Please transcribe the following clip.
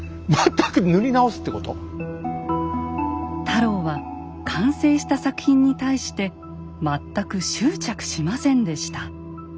太郎は完成した作品に対して全く執着しませんでした。